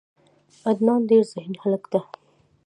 عدنان ډیر ذهین هلک ده.